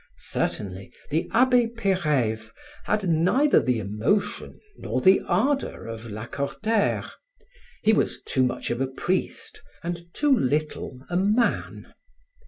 Certainly the Abbe Peyreyve had neither the emotion nor the ardor of Lacordaire. He was too much a priest and too little a man.